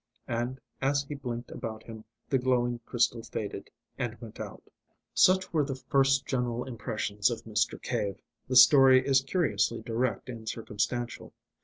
And, as he blinked about him, the glowing crystal faded, and went out. Such were the first general impressions of Mr. Cave. The story is curiously direct and circumstantial.